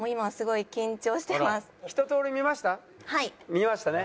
見ましたね？